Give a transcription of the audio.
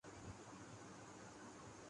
معلوم نہیں، اس کے دل میں کیاہے؟